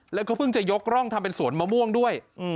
แล้วก็เพิ่งจะยกร่องทำเป็นสวนมะม่วงด้วย